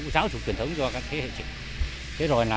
giáo dục tuyển thống do các thế hệ trực